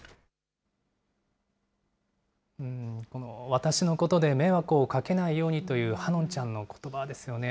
私のことで迷惑をかけないようにという、葉音ちゃんのことばですよね。